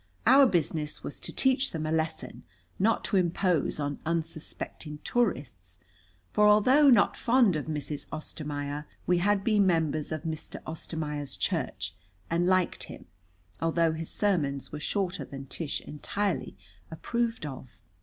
Our business was to teach them a lesson not to impose on unsuspecting tourists, for although not fond of Mrs. Ostermaier, we had been members of Mr. Ostermaier's church, and liked him, although his sermons were shorter than Tish entirely approved of.